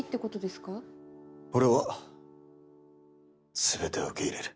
俺は全てを受け入れる。